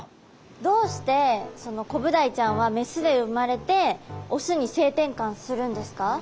どうしてそのコブダイちゃんはメスで生まれてオスに性転換するんですか？